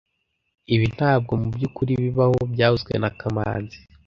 Ibi ntabwo mubyukuri bibaho byavuzwe na kamanzi